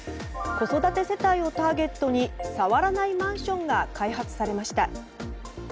子育て世帯をターゲットに触らないマンションが開発されました。